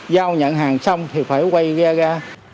giao nhận hàng xong thì phải quay ra